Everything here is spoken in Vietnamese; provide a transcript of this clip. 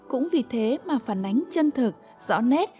cũng vì thế mà phản ánh chân thực rõ nét